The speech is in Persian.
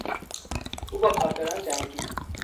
او با کافران جنگید.